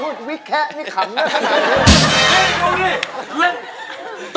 แล้วมันต่อ